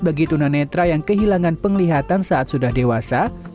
bagi tuna netra yang kehilangan penglihatan saat sudah dewasa